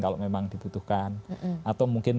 kalau memang dibutuhkan atau mungkin